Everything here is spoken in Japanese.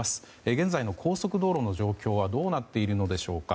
現在の高速道路の状況はどうなっているのでしょうか。